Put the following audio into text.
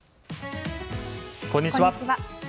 こんにちは。